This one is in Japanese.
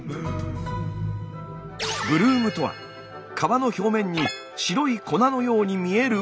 ブルームとは皮の表面に白い粉のように見えるこれ！